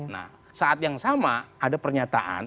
nah saat yang sama ada pernyataan